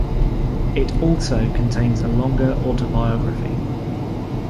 It also contains a longer autobiography.